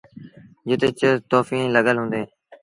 جت ڇه توڦيٚن لڳل اهيݩ۔